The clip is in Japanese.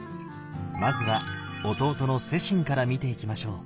まずは弟の世親から見ていきましょう。